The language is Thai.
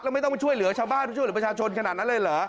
แล้วไม่ต้องไปช่วยเหลือชาวบ้านไปช่วยเหลือประชาชนขนาดนั้นเลยเหรอ